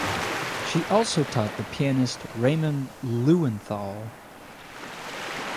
She also taught the pianist Raymond Lewenthal.